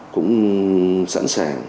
cũng sẵn sàng